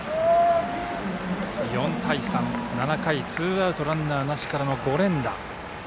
４対３、７回ツーアウトランナーなしからの５連打。